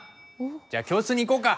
じゃあ教室に行こうか？